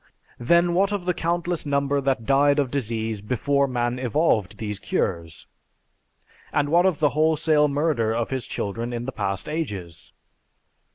Then what of the countless number that died of disease before man evolved those cures, and what of the wholesale murder of His children in the past ages?